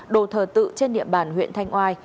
đồ thờ tự trên địa bàn huyện thanh oai